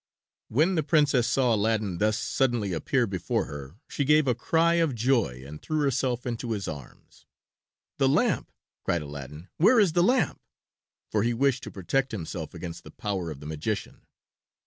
When the Princess saw Aladdin thus suddenly appear before her she gave a cry of joy and threw herself into his arms. "The lamp!" cried Aladdin. "Where is the lamp?" for he wished to protect himself against the power of the magician.